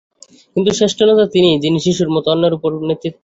কিন্তু শ্রেষ্ঠ নেতা তিনিই, যিনি শিশুর মত অন্যের উপর নেতৃত্ব করেন।